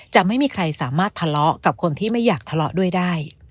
จะไม่มีใครสามารถทะเลาะกับคนที่ไม่อยากทะเลาะด้วยได้